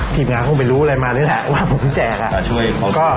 ทีมงานคงไปรู้อะไรมานี่แหละว่าผมแจกอ่ะช่วย